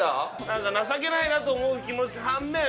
なんか情けないなと思う気持ち半面